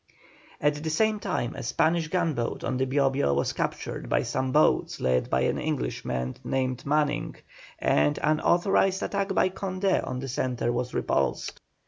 At the same time a Spanish gunboat on the Bio Bio was captured by some boats led by an Englishman named Manning, and an unauthorised attack by Conde on the centre was repulsed.